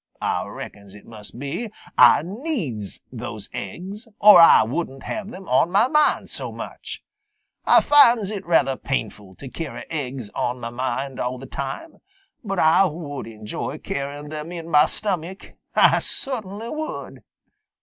Ah reckons it must be Ah needs those aiggs, or Ah wouldn't have them on mah mind so much. Ah finds it rather painful to carry aiggs on mah mind all the time, but Ah would enjoy carrying them in mah stomach. Ah cert'nly would."